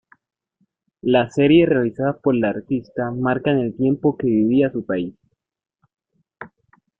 Las series realizadas por la artista, marcan el tiempo que vivía su país.